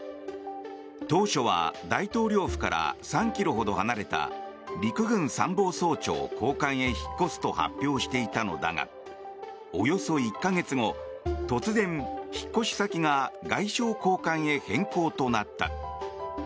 当初は大統領府から３ｋｍほど離れた陸軍参謀総長公館へ引っ越すと発表していたのだがおよそ１か月後突然、引っ越し先が外相公館へ変更となった。